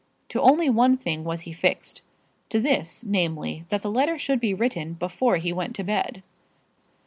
To only one thing was he fixed to this, namely, that that letter should be written before he went to bed.